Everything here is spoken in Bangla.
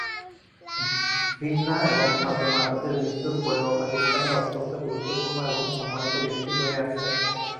জিন্নাহ এবং ফাতেমা তাদের মৃত্যুর পরেও পাকিস্তানে অত্যন্ত গুরুত্বপূর্ণ এবং সম্মানিত ব্যক্তিত্ব হয়ে আছেন।